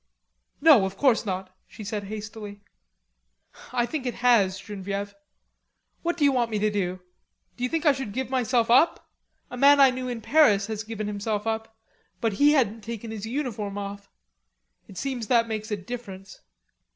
"No, of course not," she said hastily. "I think it has, Genevieve.... What do you want me to do? Do you think I should give myself up? A man I knew in Paris has given himself up, but he hadn't taken his uniform off. It seems that makes a difference.